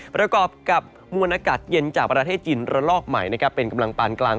ประกอบกับมวลอากาศเย็นจากประเทศจีนระลอกใหม่เป็นกำลังปานกลาง